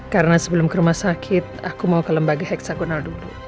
karena sebelum ke rumah sakit aku mau ke lembaga heksagonal dulu